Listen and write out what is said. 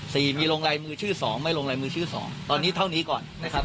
สี่มีลงลายมือชื่อสองไม่ลงลายมือชื่อสองตอนนี้เท่านี้ก่อนนะครับ